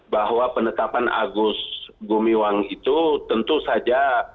bahwa penetapan agus gumiwang itu tentu saja